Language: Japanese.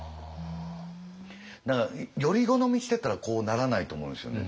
だからより好みしてたらこうならないと思うんですよね